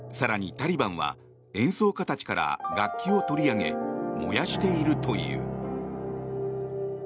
タリバンは演奏家たちから楽器を取り上げ燃やしているという。